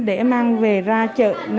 để mang về ra chợ năm